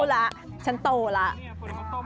ฉันรู้แล้วฉันโตแล้ว